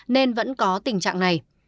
nên vẫn có tình trạng này